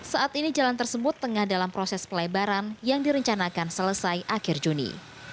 saat ini jalan tersebut tengah dalam proses pelebaran yang direncanakan selesai akhir juni